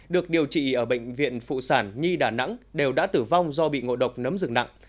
được điều trị ở bệnh viện phụ sản nhi đà nẵng đều đã tử vong do bị ngộ độc nấm rừng nặng